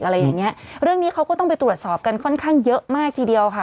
อะไรอย่างเงี้ยเรื่องนี้เขาก็ต้องไปตรวจสอบกันค่อนข้างเยอะมากทีเดียวค่ะ